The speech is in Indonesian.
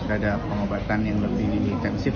sudah ada pemobatan yang lebih intensif